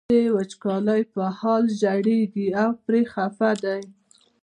هغه د وچکالۍ په حال ژړېږي او پرې خپه دی.